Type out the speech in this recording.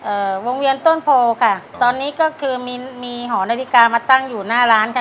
วงเวียนต้นโพค่ะตอนนี้ก็คือมีมีหอนาฬิกามาตั้งอยู่หน้าร้านค่ะ